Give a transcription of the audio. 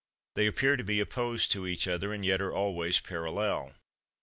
They appear to be opposed to each other, and yet are always parallel.